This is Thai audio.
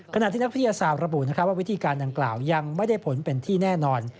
ขณะที่นักวิทยาศาสตร์ระบุว่าวิธีการดังกล่าวยังไม่ได้ผลเป็นที่แน่นอน